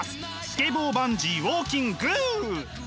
スケボーバンジーウォーキング！